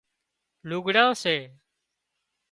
لُگھڙان سي